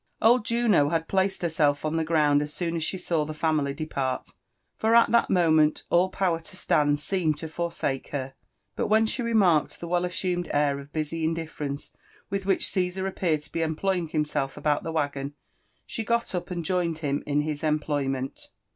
Old Juno had placed herself on the ground as soon as she saw the family depart, for at that moment all power to stand seemed lo for sake her; but when she remarked the well assumed air of busy indiT ference with which Caesar appeared to be employing himself about Ihe waggon, she got up and joined him in his employment.